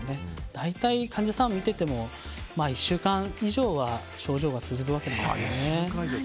大体、患者さんを見てても１週間以上は症状が続きますね。